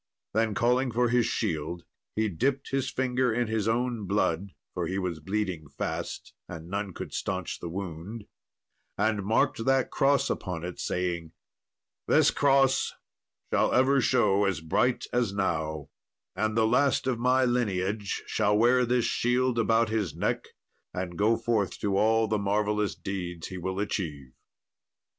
Then, calling for his shield, he dipped his finger in his own blood, for he was bleeding fast, and none could staunch the wound, and marked that cross upon it, saying, 'This cross shall ever show as bright as now, and the last of my lineage shall wear this shield about his neck, and go forth to all the marvellous deeds he will achieve.'"